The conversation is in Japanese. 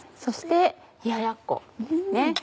そして冷ややっこですね。